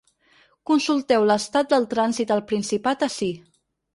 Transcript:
Consulteu l’estat del trànsit al Principat ací.